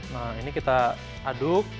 nah ini kita aduk